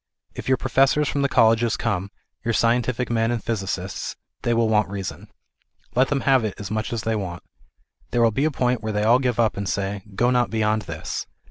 If your professors from the colleges come, your scientific men and physicists, they will want reason. Let them have it as much as they want. There will be a point where they will all give up, and say, " Go not beyond this."